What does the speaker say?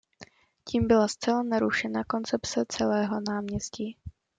Tím byla zcela narušena koncepce celého náměstí.